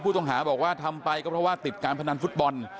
ต้องบอกว่าทำไปก็เพราะว่าติดการพนันฟุตบอล